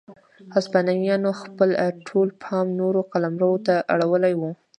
هسپانویانو خپل ټول پام نورو قلمرو ته اړولی و.